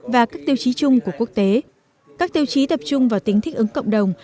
và các tiêu chí chung của quốc tế các tiêu chí tập trung vào tính thích ứng cộng đồng